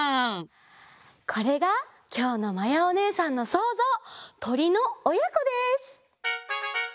これがきょうのまやおねえさんのそうぞう「とりのおやこ」です！